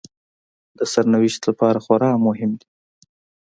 د سرنوشت لپاره خورا مهم دي